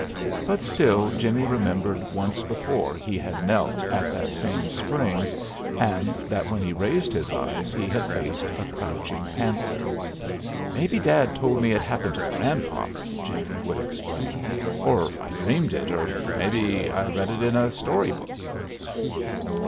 But still Jimmie remembered once before he had knelt at that same spring, and that when he raised his eyes he had faced a crouching panther. "Mebbe dad told me it happened to grandpop," Jimmie would explain, "or I dreamed it, or, mebbe, I read it in a story book."